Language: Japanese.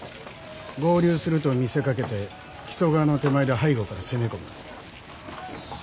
合流すると見せかけて木曽川の手前で背後から攻め込む。